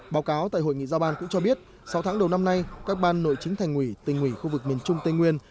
báo cáo tại hội nghị giao ban cũng cho biết sau tháng đầu năm nay các ban nội chính thành quỷ tình quỷ khu vực miền trung tây nguyên